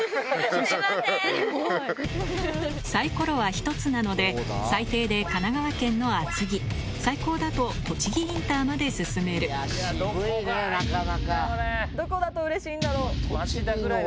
サイコロは１つなので最低で神奈川県の厚木最高だと栃木インターまで進めるどこだとうれしいんだろう？